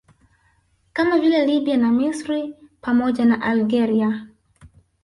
Kama vile Lbya na Misri pamoja na Algeria